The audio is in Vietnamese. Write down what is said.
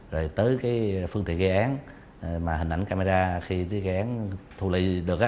rồi đến phương tiện g kat mà hình ảnh camera khi g kat thu l tur curse thì rồi được á